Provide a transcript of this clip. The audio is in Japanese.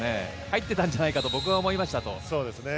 入っていたんじゃないかと僕は思いましたと。